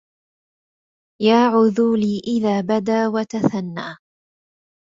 يا عذولي إذا بدا وتثنى